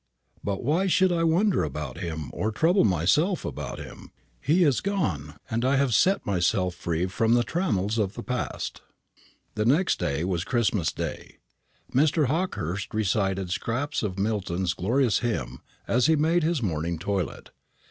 But why should I wonder about him, or trouble myself about him? He is gone, and I have set myself free from the trammels of the past." The next day was Christmas day. Mr. Hawkehurst recited scraps of Milton's glorious hymn as he made his morning toilet.